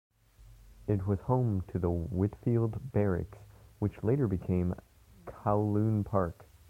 It was home to the Whitfield Barracks, which later became Kowloon Park.